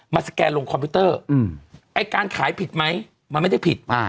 สแกนลงคอมพิวเตอร์ไอ้การขายผิดไหมมันไม่ได้ผิดอ่า